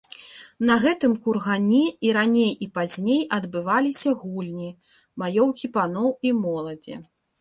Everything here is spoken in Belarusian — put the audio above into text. На гэтым кургане і раней і пазней адбываліся гульні, маёўкі паноў і моладзі.